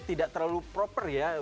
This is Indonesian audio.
tidak terlalu proper ya